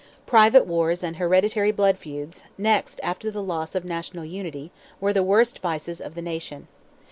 Private wars and hereditary blood feuds, next after the loss of national unity, were the worst vices of the nation.